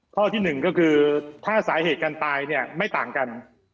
ข้อที่๑ก็คือถ้าสาเหตุการณ์ตายไม่ต่างกัน